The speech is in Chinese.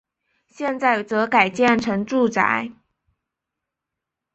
现在则改建成住宅。